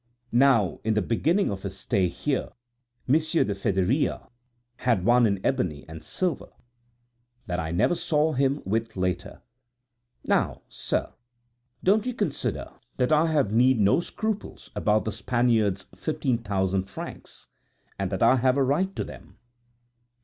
Now in the beginning of his stay here, Monsieur de Fédéria had one in ebony and silver, that I never saw him with later. Now, sir, don't you consider that I need have no scruples about the Spaniard's fifteen thousand francs, and that I have a right to them?"